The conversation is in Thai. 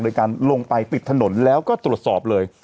โดยการลงไปปิดถนนแล้วก็ตรวจสอบเลย